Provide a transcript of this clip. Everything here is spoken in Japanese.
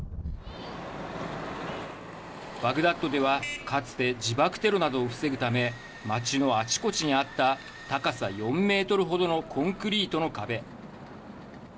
バグダッドでは、かつて自爆テロなどを防ぐため街のあちこちにあった高さ４メートル程のコンクリートの壁。